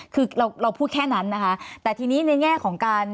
คือเราเราพูดแค่นั้นนะคะแต่ทีนี้ในแง่ของการ